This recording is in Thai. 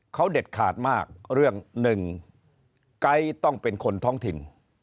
เขาเด็ดขาดมากเรื่องหนึ่งไก๊ต้องเป็นคนท้องถิ่น